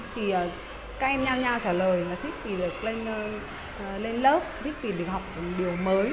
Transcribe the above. thì các em nhau nhau trả lời là thích vì được lên lớp thích vì được học điều mới